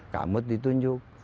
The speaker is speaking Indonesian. kak mut ditunjuk